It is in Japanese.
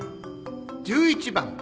１１番。